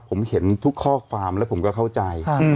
ผมเห็นทุกข้อความแล้วผมก็เข้าใจ